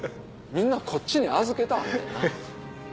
みんなこっちに預けてはんねんな。